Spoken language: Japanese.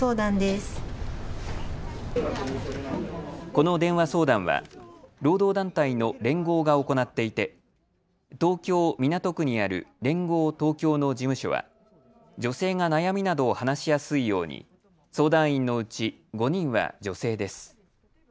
この電話相談は労働団体の連合が行っていて東京港区にある連合東京の事務所は女性が悩みなどを話しやすいように相談員のうち５人は女性です。